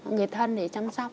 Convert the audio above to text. người thân để chăm sóc